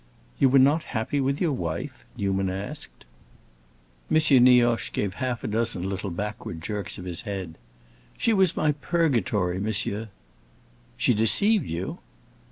"You were not happy with your wife?" Newman asked. M. Nioche gave half a dozen little backward jerks of his head. "She was my purgatory, monsieur!" "She deceived you?"